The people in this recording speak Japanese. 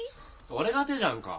それが手じゃんか。